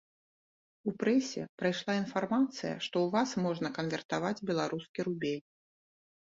У прэсе прайшла інфармацыя, што ў вас можна канвертаваць беларускі рубель.